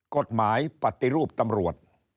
กฎหมายปฏิรูปตำรวจ